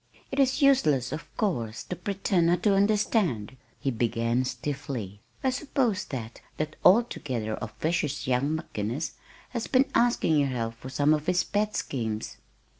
"It is useless, of course, to pretend not to understand," he began stiffly. "I suppose that that altogether too officious young McGinnis has been asking your help for some of his pet schemes."